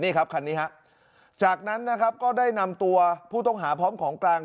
นี่ครับคันนี้ฮะจากนั้นนะครับก็ได้นำตัวผู้ต้องหาพร้อมของกลาง